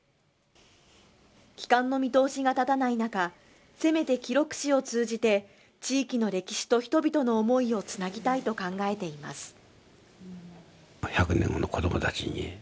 帰還の見通しが立たない中、せめて記録誌を通じて地域の歴史と人々の思いをつなぎたいと考えています。